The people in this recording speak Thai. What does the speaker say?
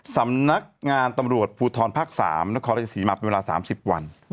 สำนักงานตำรวจภูทรภาค๓นครราชศรีมาเป็นเวลา๓๐วัน